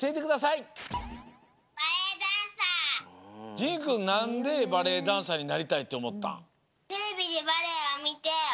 じんくんなんでバレエダンサーになりたいっておもったん？